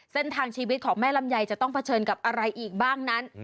เส้นทางชีวิตของแม่ลำไยจะต้องเผชิญกับอะไรอีกบ้างนั้น